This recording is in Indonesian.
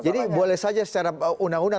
jadi boleh saja secara undang undang